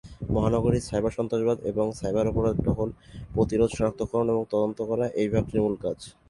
মহানগরীর সাইবার সন্ত্রাসবাদ এবং সাইবার-অপরাধে টহল, প্রতিরোধ, সনাক্তকরণ এবং তদন্ত করা এই বিভাগটির মূল কাজ।